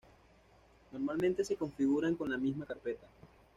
Normalmente se configuran con la misma carpeta